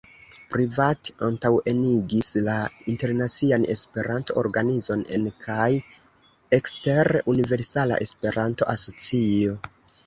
Privat antaŭenigis la internacian Esperanto-organizon en kaj ekster Universala Esperanto-Asocio.